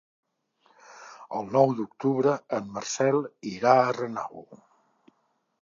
El nou d'octubre en Marcel irà a Renau.